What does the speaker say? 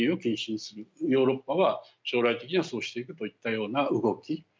ヨーロッパは将来的にはそうしていくといったような動き。